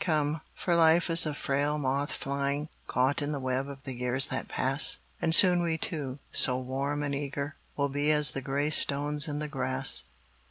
Come, for life is a frail moth flying, Caught in the web of the years that pass, And soon we two, so warm and eager, Will be as the gray stones in the grass.